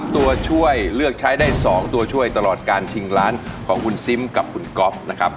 ตัวช่วยเลือกใช้ได้๒ตัวช่วยตลอดการชิงล้านของคุณซิมกับคุณก๊อฟนะครับ